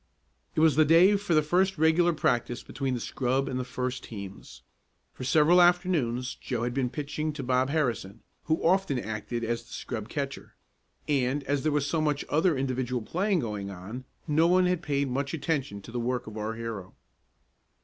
It was the day for the first regular practice between the scrub and first teams. For several afternoons Joe had been pitching to Bob Harrison, who often acted as the scrub catcher, and as there was so much other individual playing going on no one had paid much attention to the work of our hero.